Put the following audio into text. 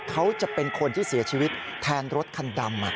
เขาจะเป็นคนที่เสียชีวิตแทนรถคันดำ